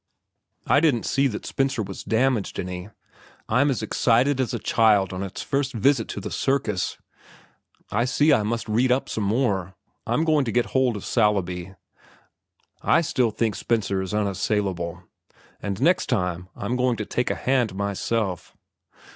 I didn't see that Spencer was damaged any. I'm as excited as a child on its first visit to the circus. I see I must read up some more. I'm going to get hold of Saleeby. I still think Spencer is unassailable, and next time I'm going to take a hand myself."